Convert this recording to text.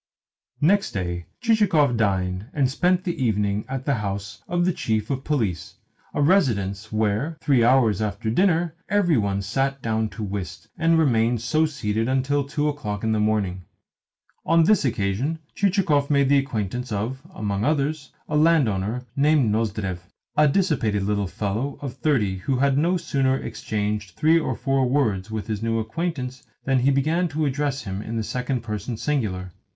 Next day Chichikov dined and spent the evening at the house of the Chief of Police a residence where, three hours after dinner, every one sat down to whist, and remained so seated until two o'clock in the morning. On this occasion Chichikov made the acquaintance of, among others, a landowner named Nozdrev a dissipated little fellow of thirty who had no sooner exchanged three or four words with his new acquaintance than he began to address him in the second person singular.